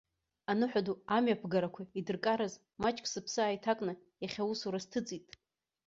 Аныҳәа ду амҩаԥгарақәа идыркараз, маҷк сыԥсы ааиҭакны, иахьа аусура сҭыҵит.